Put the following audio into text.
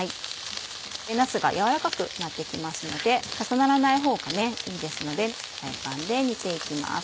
なすが軟らかくなって来ますので重ならないほうがいいですのでフライパンで煮て行きます。